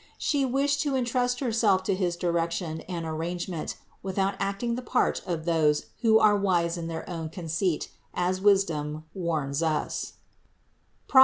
She wished to entrust Herself to his direc tion and arrangement without acting the part of those who are wise in their own conceit, as Wisdom warns us (Prov.